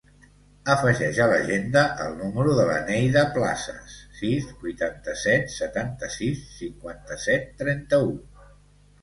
Afegeix a l'agenda el número de la Neida Plazas: sis, vuitanta-set, setanta-sis, cinquanta-set, trenta-u.